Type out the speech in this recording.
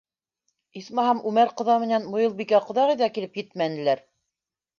Исмаһам, Үмәр ҡоҙа менән Муйылбикә ҡоҙағый ҙа килеп етмәнеләр.